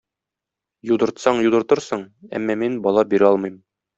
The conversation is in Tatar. Юдыртсаң юдыртырсың, әмма мин бала бирә алмыйм.